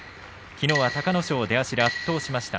きのうは隆の勝出足で圧倒しました。